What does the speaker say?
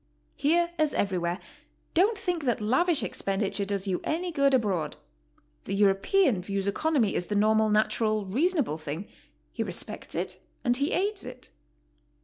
Here, as everywhere, don't think that lavish expenditure does you any good abroad. The European views economy as the normal, natural, reasonable thing; he respects it and he aids it.